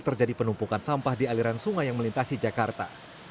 terjadi penumpukan sampah di aliran sungai yang melintasi jakarta